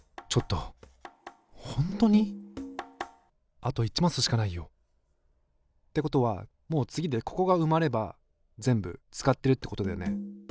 あと１マスしかないよ。ってことはもう次でここが埋まれば全部使ってるってことだよね。